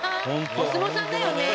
お相撲さんだよね」